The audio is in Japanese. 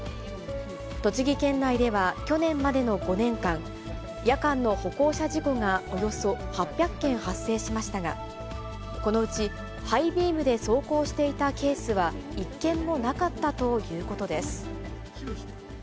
栃木県内では去年までの５年間、夜間の歩行者事故がおよそ８００件発生しましたが、このうち、ハイビームで走行していたケースは１件もなかったということです。